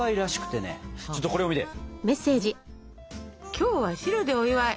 「今日は白でお祝い！」。